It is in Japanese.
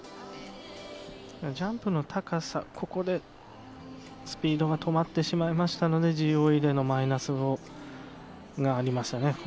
ジャンプの高さ、ここでスピードが止まってしまいましたのでＧＯＥでもマイナスがありましたね。